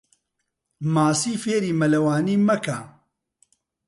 ماسی فێری مەلەوانی مەکە.